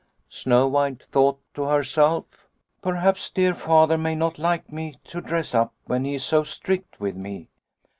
" Snow White thought to herself, ' Perhaps dear Father may not like me to dress up when he is so strict with me.